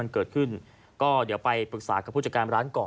เกิดขึ้นก็เดี๋ยวไปปรึกษากับผู้จัดการร้านก่อน